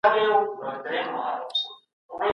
تاسو د سیاست او قدرت په اړه څه پوهیږئ؟